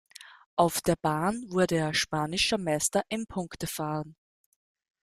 Auf der Bahn wurde er spanischer Meister im Punktefahren.